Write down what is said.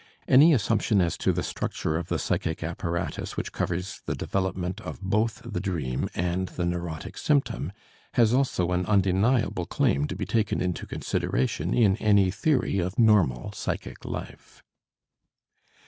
Any assumption as to the structure of the psychic apparatus which covers the development of both the dream and the neurotic symptom has also an undeniable claim to be taken into consideration in any theory of normal psychic life.